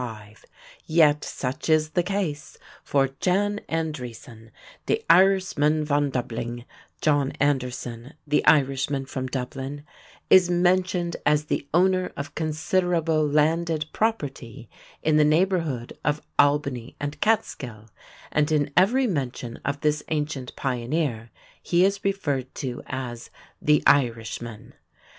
Yet such is the case, for "Jan Andriessen, de Iersman van Dublingh" (John Anderson, the Irishman from Dublin) is mentioned as the owner of considerable landed property in the neighborhood of Albany and Catskill, and in every mention of this ancient pioneer he is referred to as "the Irishman."